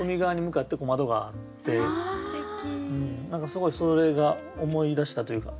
すごいそれが思い出したというか